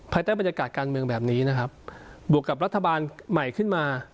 ใต้บรรยากาศการเมืองแบบนี้นะครับบวกกับรัฐบาลใหม่ขึ้นมา